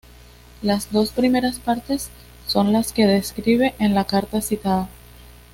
Las dos primeras partes son las que describe en la carta citada.